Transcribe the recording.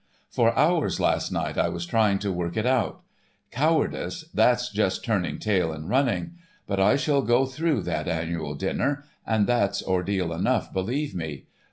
For hours last night I was trying to work it out. Cowardice—that's just turning tail and running; but I shall go through that Annual Dinner, and that's ordeal enough, believe me.